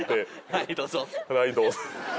「はいどうぞ」